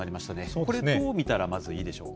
これ、どう見たら、まずいいでしょうか。